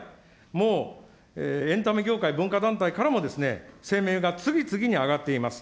もうエンタメ業界、文化団体からも、声明が次々に上がっています。